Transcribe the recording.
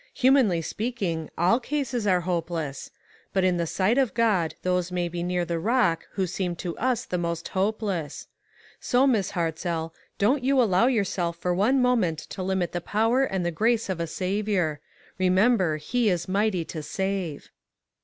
Humanly speaking, all cases are hopeless; but in the sight of God those may be near the Rock who seem to us the most hopeless. So, 322 ONE OF THE HOPELESS CASES. 323 Miss Hartzell, don't you allow yourself for one moment to limit the power and the grace of a Saviour. Remember he is 'mighty to save.'